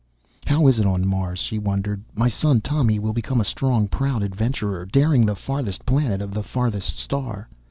_ How is it on Mars, she wondered. My son, Tommy, will become a strong, proud adventurer daring the farthest planet of the farthest star?